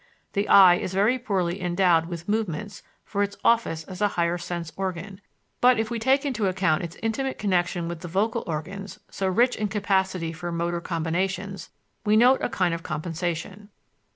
The eye is very poorly endowed with movements for its office as a higher sense organ; but if we take into account its intimate connection with the vocal organs, so rich in capacity for motor combinations, we note a kind of compensation.